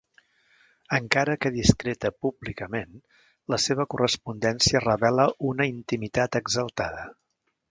Encara que discreta públicament, la seva correspondència revela una intimitat exaltada.